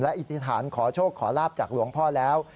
อิทธิษฐานขอโชคขอลาบจากหลวงพ่อแล้ว